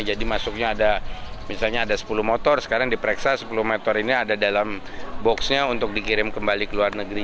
jadi masuknya ada misalnya ada sepuluh motor sekarang diperiksa sepuluh motor ini ada dalam boxnya untuk dikirim kembali ke luar negeri